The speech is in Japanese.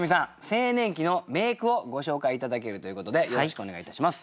青年期の名句をご紹介頂けるということでよろしくお願いいたします。